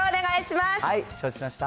承知しました。